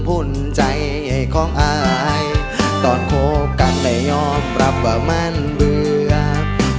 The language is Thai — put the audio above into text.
ผลใจไอ้คมฉายตอนคบกันได้ยอมก็รับว่ามันเบื่อก